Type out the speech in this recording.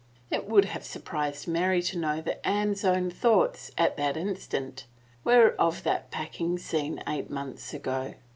It would have surprised Mary to know that Anne's own thoughts, at that instant, were of that packing scene eight months ago.